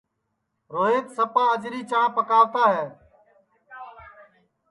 روہیت سپا اجری چاں پکاوتا ہے